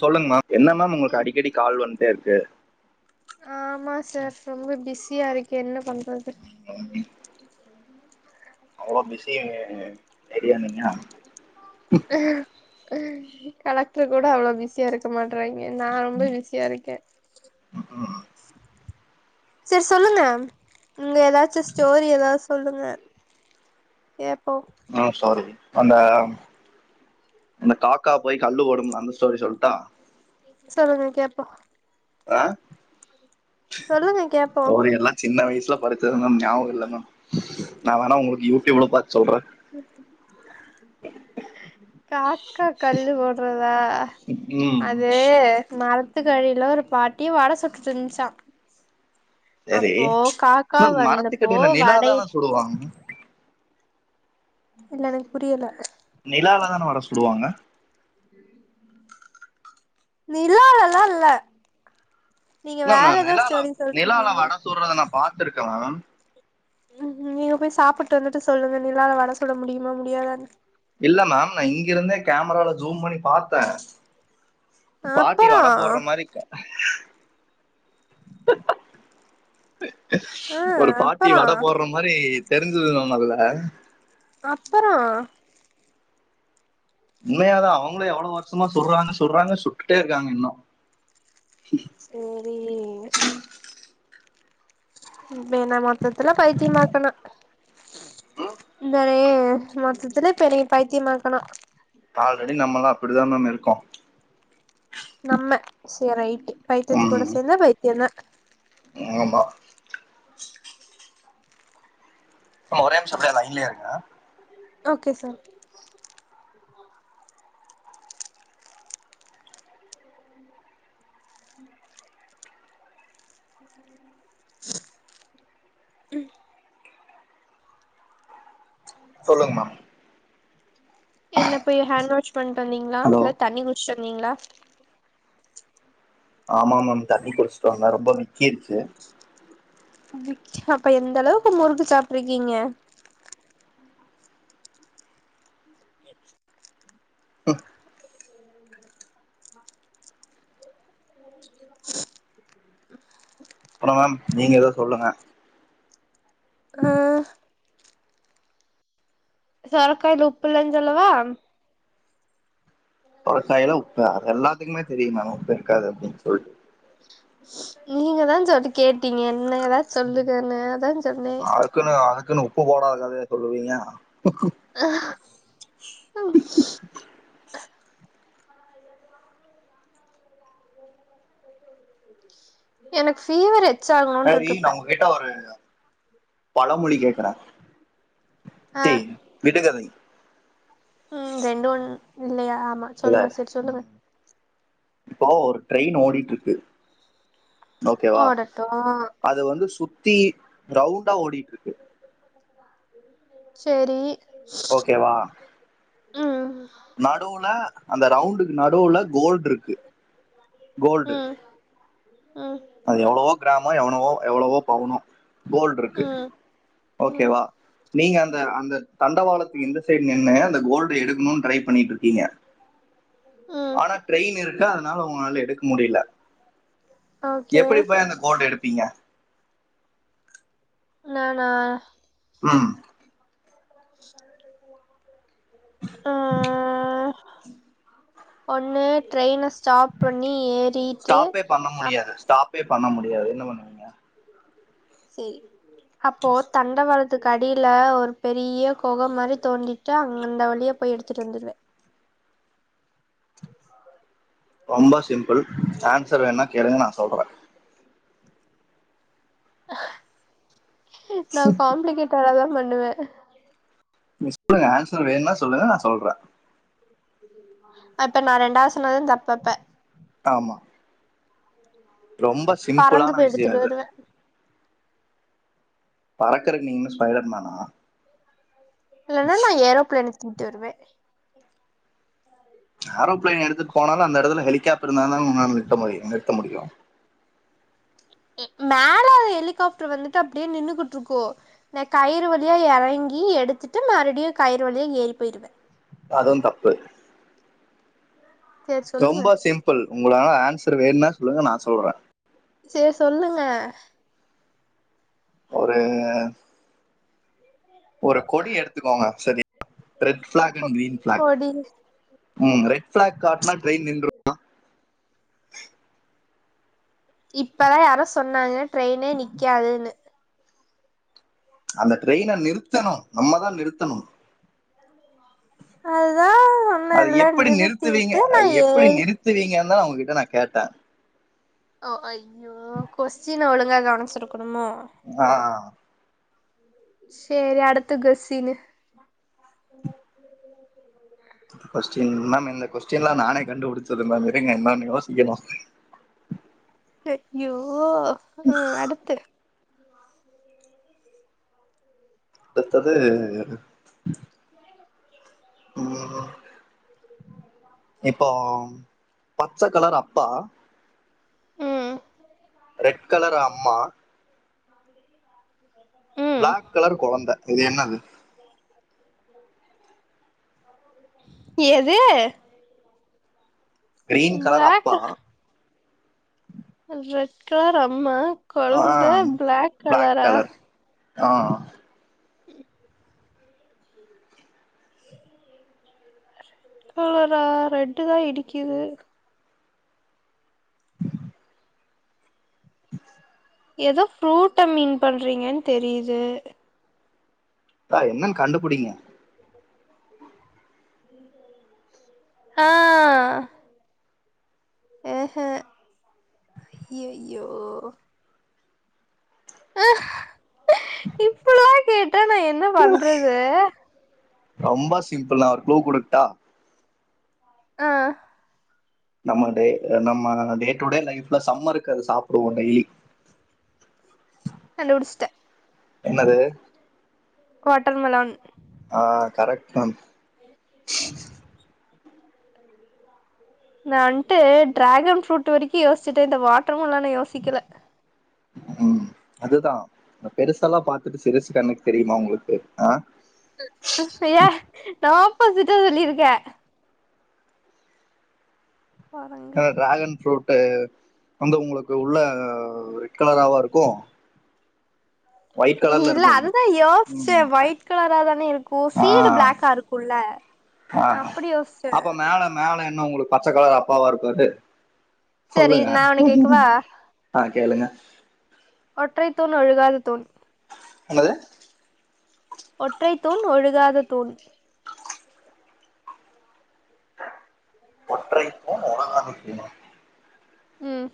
சொல்லுங்க மேம் என்ன மேம் உங்களுக்கு அடிக்கடி கால் வன்ட்டே இருக்கு ஆ ஆமா சார் ரொம்ப பிஸி பிசியாயிருக்கேன் என்ன பண் [unintelligible] அவ்வளோ பிஸி லேடியா நீங்க கலெக்டர் கூட அவ்ளோ பிஸியா இருக்க மாட் ட்ரைங்க நா ரொம்ப பிஸியா இருக்கே செரி சொல்லுங்க உங்க ஏதாச்சும் ஸ்டோரி ஏதாவது சொல்லு ஆ எப்போ ஹ ஸாரி அந்த அந்த காக்கா போயி கல்லு போடுமுல்ல அந்த ஸ்டோரி சொல்ட்டா சொல்லுங்க கேப்போம் அ சொல்லுங்க கேப்போ அவரு எல்லாம் சின்ன வயசுல படிச்சதல்லாம் ஞாபகம் இல்ல தா நான வேணா உங்களுக்கு யூடூபூல்ல பாத்து காக்கா கல்லு போடுறதா ம் அது மர பத்துக்கழ ஒரு பாட்டி வாட சுட்டு தச்சான் சரி அப்போ காக்கா மேம் வந்தப்போ மரத்துக்கடியில நிலா வடைய தானே சுடுவாங்க இல்ல எனக்கு புரியல நிலால தான வட சுடுவாங்க [inaudible] நிலாலா லா இல்ல நீங்க நா வேற ஏதோ ஸ்டோரி சொல்ட்டு நிலாலா இருக்கீங்க வட சுடுறத நா பாத்துருக்கே [inaudible] ம் நீங்க போய் சாப்பட்டு வந்துட்டு சொல்லுங்க நிலால வட சுட முடியுமா முடியாதானு சொல்லுங்க இல்ல மேம் நான் இங்கிருந்தே கேமரால ஜூம் பண்ணி பாத்தேன் பாட்டி அப்பறோ வடை போடுற மாரி இருக்க ஆ ஒரு பாட்டி அப்பறோ வட போடுற மாதிரி தெரிஞ்சது நம் அதுல அ அப்பறம் உண்மய தா அவங்களும் எவ்வளவு வருஷமா சொல்றாங்க சொல்றாங்க சொல்லிட்டே இருக்காங்க இன்னும் செரி [inaudible] மொத்தத்துல பைத்தியமாக்கணும் தே மொத்தத்துல இப்ப பைத்தியமாக்கணும் ஆல்ரெடி நம்மல்லாம் அப்டிதா நம்ம இருக்கோம் நம்ம சேர் ரைட் பைத்தியத்துக்கூட ம், சேர்ந்த பைத்தியம் தா ஆமா ஒரே நிமிஷம் அப்டியே லைன்லே இருங்க ஓகே சார் [inaudible] [inaudible] சொல்லுங்க மேம் என்ன போய் ஹேண் வாஷ் பண்ணிட்டு வந்தீங்களா ஹலோ இல்ல தண்ணி குடிச்சிட்டு வந்தீங்களா நீங்களா ஆமா மேம் தண்ணி குடிச்சுட்டு வந்தே ரொம்ப விக்கிரூச்சு அப்ப எந்த அளவுக்கு முறுக்கு சாப்ட்ரீக்கீங்க [inaudible] [inaudible] அப்புறம் நீங்க எதோ சொல்லுங்க அ சரக்கு வாங்கிட்டு உப்பு இல்லன்னு சொல்லவா சுரக்காயில உப்பா அதல்லாம் அதுக்குமேதெரியுமே நமக்கு இருக்காது அப்படின்னு சொல்லிட்டு நீங்க தான் சொல்லி கேட்டீங்க என்ன ஏதாவச்சு சொல்லுகானு அதான் சொன்னேன் அதுக்குன்னு அதுக்குன்னு உப்பு போடாதா கதயா சொல்லுவீங்க [unintelligible] எனக்கு பீவரு ஹரி நான உங்க கிட்ட ஒரு பழமொழி கேட்குறார் ஆ த்தி விடுகதை ம் ரெண்டு ஒன் இல்லையா ஆமா இல்ல சொல்லுங்க செரி ம், சொல்லுங்க இப்போ ஒரு ட்ரெயின் ஓடிட்டு இருக்கு ஓகேவா ஓடட்டு அது வந்து சுத் சுத்தி ரவுண்டா ஓடிட்டுருக்கு செரி ஓகே வா ஹும் நடுவுல அந்த ரவுண்டு நடுவுல கோல்டு இருக்கு கோல்டு ம் ம் அது எவ்வளவோ கிராமம் எவ்வளவோ எவ்வளவோ பவுனோ கோல்டு இருக்கு ம் ம் ஓகேவா நீங்க அந்த அந்த தண்டவாளத்துக்கு இந்த சைடு நின் அந்த கோல்டு எடுக்கணும்னு ட்ரை பண்ணிட்டு இருக்கீங்க ம் ஆனா ட்ரெயின் இருக்கு அதனால உங்களால எடுக்க முடியல ஓகே எப்புடி போய் அந்த கோல்ட எடுப்பீங்க நானா உஹம் [inaudible] ஆஹ் ஒண்ணு ட்ரைன சு ஸ்டாப் பண்ணி ஏறிட்டு அ ப்பே பண்ண முடியாது என்ன பண்ணுவீங்க செரி அப்போ தண்ட வாளத் அ கடியில ஒரு பெரிய கோகை மாதிரி தோண்டிட்டு அந்த வழியா போய் எடுத்துட்டு வந்துடுவேன் ரொம்ப சிம்பிள் ஆன்சர் வேண்ணா கேளுங்க நா சொல்றே நா காம்ப்ளிகேட் [unintelligible] பண்ணுவேன் நீங்க சொல்லுங்க ஆன்சர் வேணுன்னா சொல்லுங்க நா சொல்றே அப்ப நா ரெண்டாவது சொன்னதும் தப்பு அப்ப ஆமா ரொம்ப பறந்து சிம்பிளான போய் விஷயம் எடுத்துட்டு இது வருவே பறக்கறக்கு நீங்க என்ன ஸ்பைடர்மேனா இல்லண்ணா நா ஏரோப்ளேன் ந்துருவே ஏரோப்ளான் எடுத்துட்டுப் போனாலு அந்த எடத்துல ஹெலி கேப் இருந்தாதா உங்களால நிறுத்த முடியு நிறுத்த முடியு மேல ஹெலிகாப்டர் வந்துட்டு அப்படியே நின்னுகிட்டு இருக்கு நா கயிறு வழியா எறங்கி எடுத்துட்டு மறுபடியு கயிறு வழியா ஏறி போயிருவே அதுவு தப்பு சேரி சொல்லுங்க ரொம்ப சிம்பிள் உங்கள ஆன்ஸ் த்ரு வேண்ணா சொல்லுங்க நா சொல்றே சேரி சொல்லுங்க ஒரு ஒரு கொடி எடுத்துக்கோங்க சரியா ரெட் பிளாக் கொ அண்ட் கிரீன் பிளாக் கொடி ம் ரைட் ஃபிளாக் காட்னா ட்ரெயின் நின்றுமா இப்பதா யாரோ சொன்னாங்க ட்ரெயினே நிக்காதுன்னு அந்த ட்ரெயின நிறுத்தணு நம்மதா நிறுத்தணு அது அது எப்டி நா நிறுத்துவீங்க ப்படி ஏறி நிறுத்துவீங்க நா உங்ககிட்ட நா கேட்டே ஓ ஐயோ கொஸ்டின ஒழுங்கா கவனிச்சிருக் அப்புறமா ஆஹ் சேரி அடுத்த கொஸ்டீனு கொஸ்டின் மேம் இந்த கொஸ்டின்லா நானே கண்டுபிடிச்சது மேம் இருங்க இன்னொன்னு யோசிக்கணு அ ஐயோ ஓ அ அடுத்து அடுத்தது [inaudible] இப்போ பச்ச கலர் அப்பா ம் ரெட் கலர் அம்மா அது ஒரு காத்து பிளாக் கலர் குழந்த இது என்னது ஏது கிரீன் கலர் அப்பா கலர் ரெட் கலர் அம்மா ஆ குழந்த பிளாக் கலரா ஆஹ உம் ரெட் கலரா ரெட்டு் தான் இடிக்குது உம் ஏதோ ஃப்ரூட்டை மீன் பண்றீங்கன்னு தெரியுது பா என்னன்னு கண்டுபிடிங்க ஆஹ ஏஹே ஐயயோ ஹ டிட் அட நான் என்ன பண்றது ரொம்ப சிம்பிள் ஆ ஒரு குலூ கொடுத்தா ஆஹ நம்ம டே நம்ம டேட் டுடே லைஃப்ல சம்மருக்கு அது சாப்பிடுவோம் டெய்லி அஹ கண்டுபிடிச்சிட்டேன் என்னது வாட்டர்மெலன் ஆஹ கரெக்ட் தான் [unintelligible] நா வன்ட்டு டிராகன் ஃப்ரூட் வரைக்கு யோசிச்சுட்டே இந்த வாட் டர்மெலன்ன யோசிக்கல உம் அதுதான் பெருசஎல்லாம் பாத்துட்டு சிரிசு கண்ணுக்கு தெரியுமா உங்களுக்கு ஆஹ இய நா ஆப்போசிட்டா சொல்லியிருக்கேன் குரங்கு என் டிராகன்ஃப்ரூட் ஹே அந்த உங்களுக்கு உள்ள ஓ ரெட் கலராவா இருக்கு இல்ல அதுதான் ம் யோசிச்சேன் ஒயிட் கலரா தானே இருக்கும் ஆ சீடு பிளக்கா இருக்கும்ல்ல ஆ அப்படி யோசிச்சேன் பச்சைக்கலர் அப்பாவா இருப்பாரு சரி சொல்லுங்க நான் ஒன்னு கேக்கவா ஆ கேளுங்க ஒற்றை தூன் ஒழுகாத தூன் ஹலோ ஒற்றை தூண் ஒழுகாத தூண் ஒற்றை தூண் ஒழுகாத தூணா உம்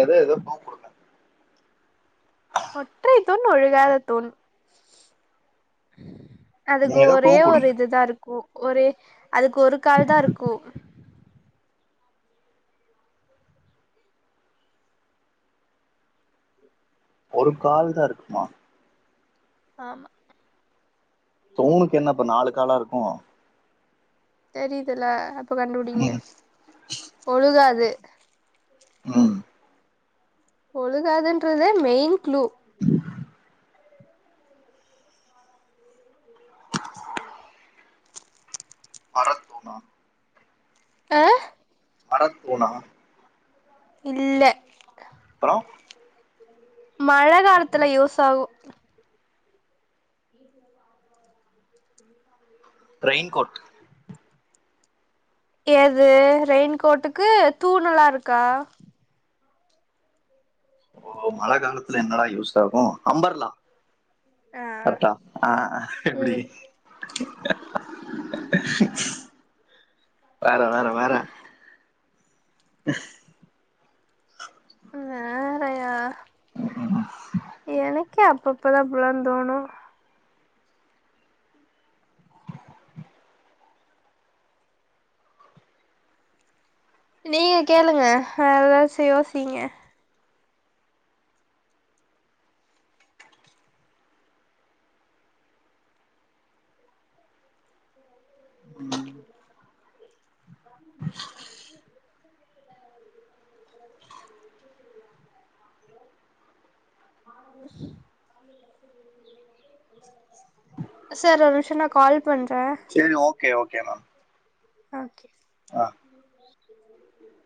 ஏதோ ஏதோ குழுக்கூடுங்க ஒற்றை துண் ஒழுகாத துண் அதுக்கு நீங்க ஏதோ க்ளூ ஒரே ஒரு கொடுங்க இதுதான் இருக்கும் ஒரு அதுக்கு ஒரு கால் தான் இருக்கும் ஒரு கால் தான் இருக்குமா ஆமா தூணுக்கு என்ன பா நாலூ காலா இரு ஆஹ தெரியுதுல இப்ப கண்டுபுடிங்க ம் ஒழுகாது தா உஹம் உழுகதுன்றத மெயன் ளு மரத் தூனா ஆஹ மர தூனா இல்ல த கடியே மழ காலத்துல யூஸ் ஆகும் ச் ஆ வீட்ல இருந்து ஆப் பண் ரெயின் கோட் எது ரெயின்கோட்டுக்கு தூணல்லா இருக்கா ஓ மழ காலத்துல என்னடா யூஸ் ஆகும் அம்பர்லா ஆ கட்டா ஆஹா எப்டி ம் வேற வேற வேற வேறயா எனக் எனக்கே அப்பப்பதான் இப்பிள்ளாம் தோணும் நீங்க கேளுங்க ஆஹா யோசி யோசிக்கங்க ம், சார் ஒர்நிமிஷாம் நான் கால் பண்றே செரி ஓகே ஓகே இனஃப் ஆஹ் ஓகே சார் [inaudible]